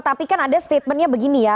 tapi kan ada statementnya begini ya